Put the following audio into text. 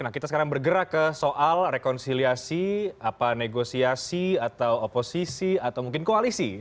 nah kita sekarang bergerak ke soal rekonsiliasi negosiasi atau oposisi atau mungkin koalisi